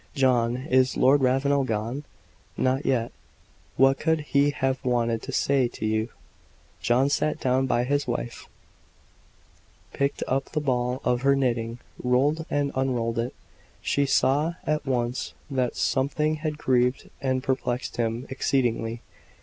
"John, is Lord Ravenel gone?" "Not yet." "What could he have wanted to say to you?" John sat down by his wife, picked up the ball of her knitting, rolled and unrolled it. She saw at once that something had grieved and perplexed him exceedingly.